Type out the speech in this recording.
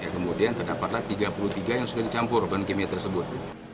kemudian terdapatlah tiga puluh tiga yang sudah dicampur bahan kimia tersebut